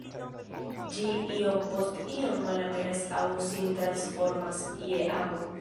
Ĝi iom post iom malaperas aŭ sin transformas je amo.